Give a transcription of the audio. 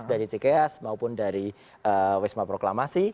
dari cikeas maupun dari wisma proklamasi